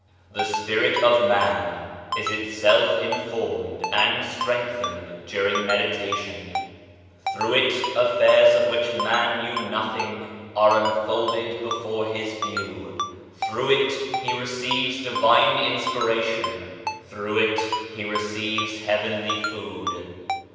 The spirit of man is itself informed and strengthened during meditation ; through it affairs of which man knew nothing are unfolded before his view. Through it he receives Divine inspiration, through it he receives heavenly food.